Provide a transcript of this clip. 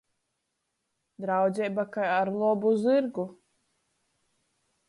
Draudzeiba kai ar lobu zyrgu.